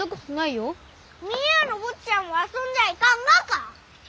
峰屋の坊ちゃんは遊んじゃいかんがか！？